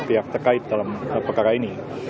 pihak terkait dalam perkara ini